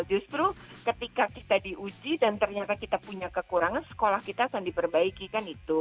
justru ketika kita diuji dan ternyata kita punya kekurangan sekolah kita akan diperbaiki kan itu